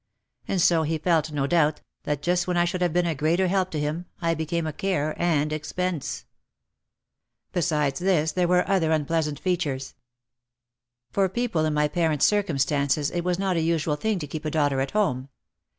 And so he felt, no doubt, that just when I should have been a greater help to him I became a care and expense. Besides this there were other unpleasant features. For 196 OUT OF THE SHADOW people in my parents' circumstances it was not a usual thing to keep a daughter at home.